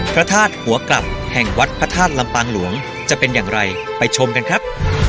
พระธาตุหัวกลับแห่งวัดพระธาตุลำปางหลวงจะเป็นอย่างไรไปชมกันครับ